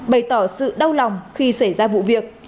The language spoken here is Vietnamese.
bày tỏ sự đau lòng khi xảy ra vụ việc